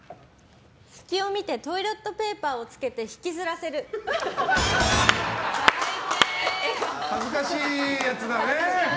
隙を見てトイレットペーパーをつけて恥ずかしいやつだね。